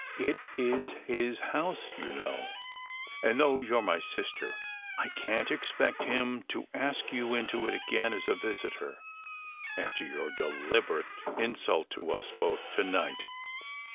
It is his house, you know; and though you re my sister, I can t expect him to ask you into it again as a visitor, after your deliberate insult to us both to night.